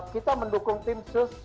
kita mendukung timsus